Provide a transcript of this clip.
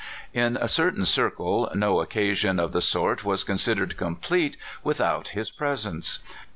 In a certain circle no occasion of the sort was considered complete without his presence.